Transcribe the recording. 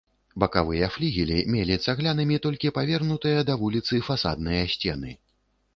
Бакавыя флігелі мелі цаглянымі толькі павернутыя да вуліцы фасадныя сцены.